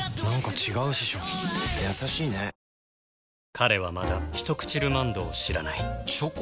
彼はまだ「ひとくちルマンド」を知らないチョコ？